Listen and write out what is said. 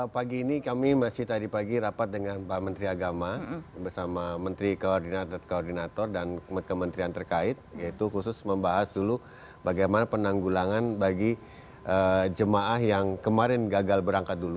pagi ini kami masih tadi pagi rapat dengan pak menteri agama bersama menteri koordinator koordinator dan kementerian terkait yaitu khusus membahas dulu bagaimana penanggulangan bagi jemaah yang kemarin gagal berangkat dulu